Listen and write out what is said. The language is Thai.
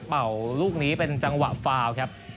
เป่าลูกนี้เป็นจังหวะฟาวครับ